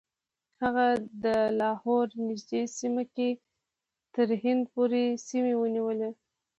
هغه د لاهور نږدې سیمه کې تر هند پورې سیمې ونیولې.